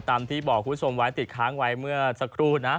ที่บอกคุณผู้ชมไว้ติดค้างไว้เมื่อสักครู่นะ